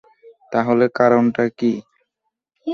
তাহলে কারণটা কী?